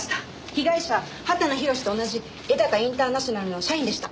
被害者畑野宏と同じ絵高インターナショナルの社員でした。